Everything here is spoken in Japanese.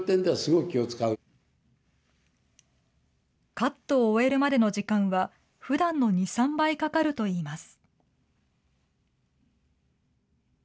カットを終えるまでの時間はふだんの２、３倍かかるといいます。